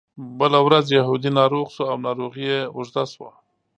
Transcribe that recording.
بله ورځ یهودي ناروغ شو او ناروغي یې اوږده شوه.